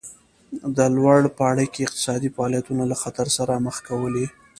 د لوړ پاړکي اقتصادي فعالیتونه له خطر سره مخ کولې